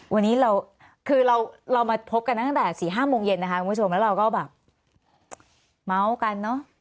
วันนี้เราคือเรามาพบกันตั้งแต่๔๕โมงเย็นนะคะคุณผู้ชมแล้วเราก็แบบเมาส์กันเนอะ